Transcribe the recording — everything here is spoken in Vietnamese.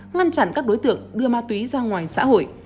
ngăn chặn các đối tượng đưa ma túy ra ngoài xã hội